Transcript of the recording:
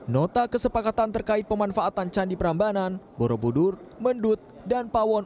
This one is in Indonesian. nota kesepakatan terkait pemanfaatan candi prambanan borobudur mendut dan pawon